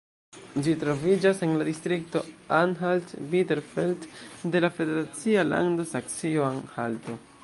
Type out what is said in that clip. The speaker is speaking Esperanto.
Ĝi troviĝas en la distrikto Anhalt-Bitterfeld de la federacia lando Saksio-Anhalto.